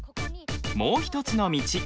もう一つの道。